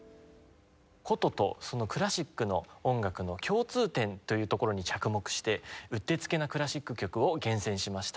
箏とクラシックの音楽の共通点というところに着目してうってつけなクラシック曲を厳選しました。